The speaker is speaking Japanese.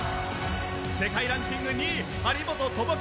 世界ランキング２位張本智和